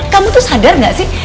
kamu tuh sadar gak sih